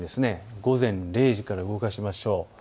午前０時から動かしましょう。